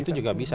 itu juga bisa